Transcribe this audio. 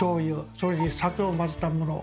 それに酒を混ぜたもの。